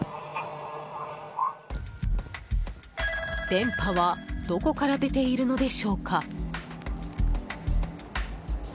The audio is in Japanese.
電波はどこから出ているのでしょうか。